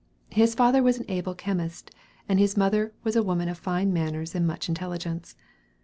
His father was an able chemist, and his mother a woman of fine manners and much intelligence.